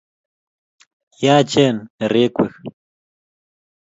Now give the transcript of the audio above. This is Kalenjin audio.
yaachen nerekwek